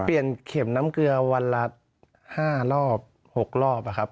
เข็มน้ำเกลือวันละ๕รอบ๖รอบครับ